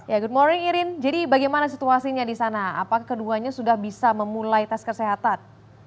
ya good morning irin jadi bagaimana situasinya di sana apakah keduanya sudah bisa memulai tes kesehatan